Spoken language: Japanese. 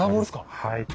はい。